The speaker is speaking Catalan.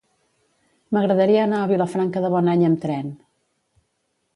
M'agradaria anar a Vilafranca de Bonany amb tren.